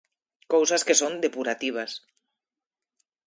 Cousas que son depurativas.